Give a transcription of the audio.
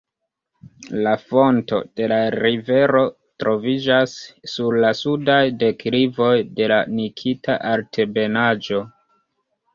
La fonto de la rivero troviĝas sur la sudaj deklivoj de la Nikita altebenaĵo.